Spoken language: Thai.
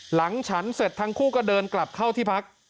หลังฉันเสร็จทั้งคู่ก็เดินกลับเข้าที่พัก